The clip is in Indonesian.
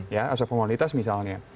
ya aspek formalitas misalnya